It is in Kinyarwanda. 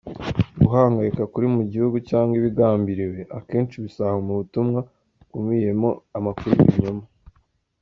Guhangayika kuri mu gihugu cyangwa ibigambiriwe, akenshi bisangwa mu butumwa bukubiyemo amakuru y'ibinyoma.